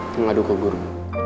mengadu ke guru